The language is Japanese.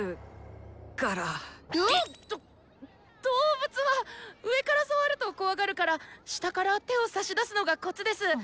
動物は上から触ると怖がるから下から手を差し出すのがコツです！